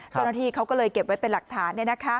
เจ้าหน้าที่เขาก็เลยเก็บไว้เป็นหลักฐาน